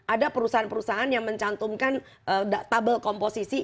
ada perusahaan perusahaan yang mencantumkan tabel komposisi